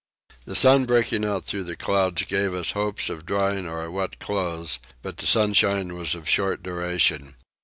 The sun breaking out through the clouds gave us hopes of drying our wet clothes, but the sunshine was of short duration.